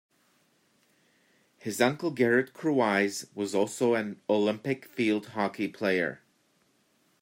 His uncle Gerrit Kruize was also an Olympic field hockey player.